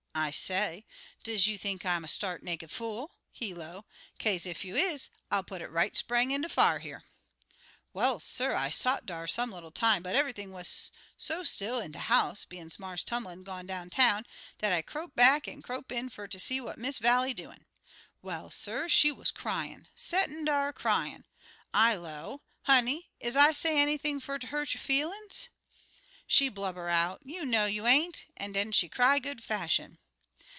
I say: 'Does you think I'm a start naked fool?' He low: 'Kaze ef you is, I'll put it right spang in de fire here.' "Well, suh, I sot dar some little time, but eve'ything wuz so still in de house, bein's Marse Tumlin done gone downtown, dat I crope back an' crope in fer ter see what Miss Vallie doin'. Well, suh, she wuz cryin' settin' dar cryin'. I 'low, 'Honey, is I say anything fer ter hurt yo' feelin's?' She blubber' out, 'You know you ain't!' an' den she cry good fashion.